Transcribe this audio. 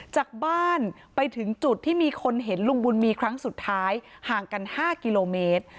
จากบ้านไปถึงจุดที่มีคนเห็นลุงบุญมีครั้งสุดท้ายห่างกัน๕กิโลเมตร